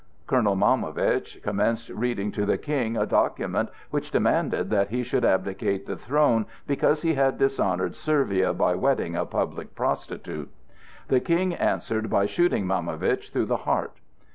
Colonel Maumovitch commenced reading to the King a document which demanded that he should abdicate the throne because he had dishonored Servia by wedding "a public prostitute." The King answered by shooting Maumovitch through the heart.